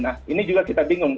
nah ini juga kita bingung